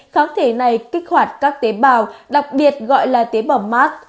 kháng thể này kích hoạt các tế bào đặc biệt gọi là tế bào mark